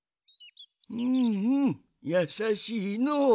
うんうんやさしいのう。